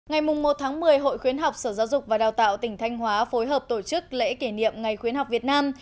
ngày một một mươi hội khuyến học sở giáo dục và đào tạo tỉnh thanh hóa phối hợp tổ chức lễ kỷ niệm ngày khuyến học việt nam